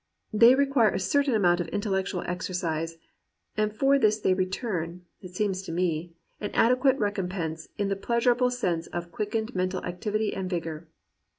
They require a certain amount of intellectual exer cise; and for this they return, it seems to me, an adequate recompense in the pleasurable sense of quickened mental activity and vigour.